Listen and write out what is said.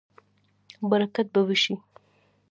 برکت به وشي